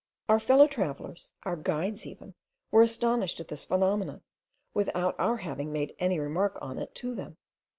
Our fellow travellers, our guides even, were astonished at this phenomenon, without our having made any remark on it to them.